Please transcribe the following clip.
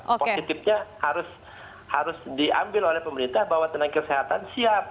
positifnya harus diambil oleh pemerintah bahwa tenaga kesehatan siap